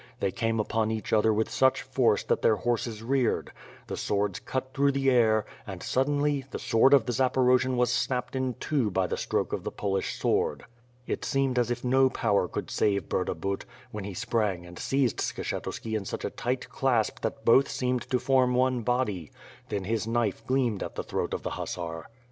They came upon each other with such force that their horses reared. The swords cut through the air and, suddenly, the sword of the Zaporojian was snapped in two by the stroke of the Polish sword. It seemed as if no power could save Burdabut, when he sprang and seized Skshetuski in such a tight clasp that both seemed to form one body — then his knife gleamed at the throat of the hussar.